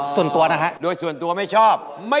ส่วนตัวนะฮะ